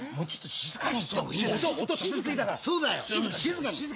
静かに。